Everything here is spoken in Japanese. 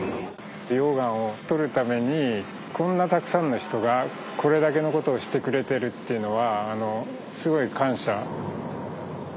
溶岩を採るためにこんなたくさんの人がこれだけのことをしてくれてるっていうのはすごい感謝。